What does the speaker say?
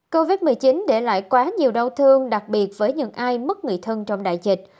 covid một mươi chín để lại quá nhiều đau thương đặc biệt với những ai mất người thân trong đại dịch